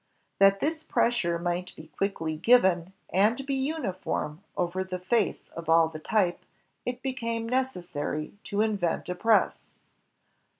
That this pressure might be quickly given and be uniform over the face of all the type, it became necessary to invent a press.